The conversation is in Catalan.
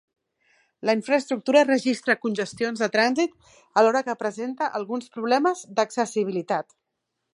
La infraestructura registra congestions de trànsit alhora que presenta alguns problemes d'accessibilitat.